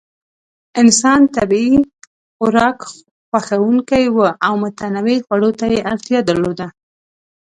انسان طبیعي خوراک خوښونکی و او متنوع خوړو ته یې اړتیا درلوده.